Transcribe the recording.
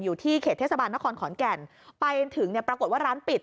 อยู่ที่เขตเทศบาลนครขอนแก่นไปถึงเนี่ยปรากฏว่าร้านปิด